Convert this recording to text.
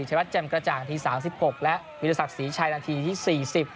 ชวัดแจ่มกระจ่างที๓๖และวิทยาศักดิ์ศรีชัยนาทีที่๔๐